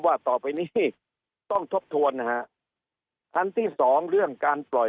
ว่าต่อไปนี้ต้องทบทวนนะฮะอันที่สองเรื่องการปล่อย